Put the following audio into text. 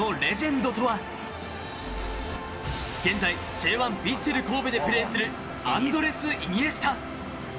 そのレジェンドとは現在Ｊ１ヴィッセル神戸でプレーする、アンドレス・イニエスタ。